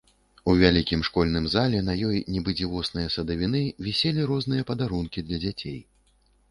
У вялікім школьным зале на ёй, нібы дзівосныя садавіны, віселі розныя падарункі для дзяцей.